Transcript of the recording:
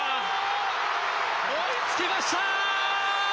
追いつきました。